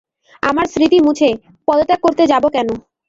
আমার স্মৃতি মুছে, পদ ত্যাগ করতে যাব কেন?